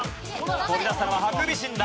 飛び出したのはハクビシンだ。